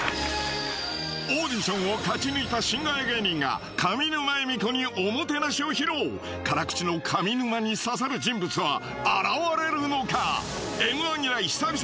・オーディションを勝ち抜いた新ガヤ芸人が上沼恵美子におもてなしを披露辛口の上沼に刺さる人物は現れるのか？